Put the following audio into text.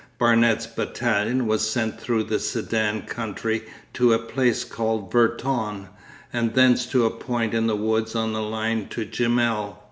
Barnet's battalion was sent through the Sedan country to a place called Virton, and thence to a point in the woods on the line to Jemelle.